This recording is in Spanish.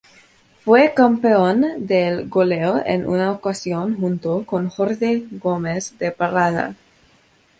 Fue campeón de goleo en una ocasión junto con Jorge Gómez de Parada.